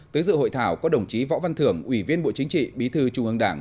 tới dự hội thảo có đồng chí võ văn thưởng ủy viên bộ chính trị bí thư trung ương đảng